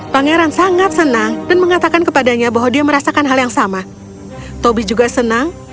pangeran sangat senang dan mengatakan kepadanya bahwa dia merasakan hal yang sama tobi juga senang